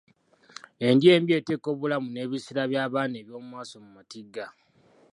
Endya embi eteeka obulamu n'ebiseera by'abaana eby'omu maaso mu matigga.